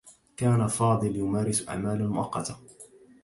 كان فاضل يمارس أعمالا مؤقّتة.